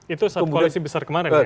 itu saat koalisi besar kemarin